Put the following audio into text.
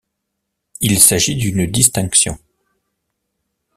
Il s'agit d'une distinction.